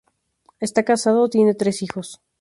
Está casado, tiene tres hijos.